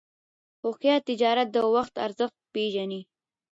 هوښیار تجارت د وخت ارزښت پېژني.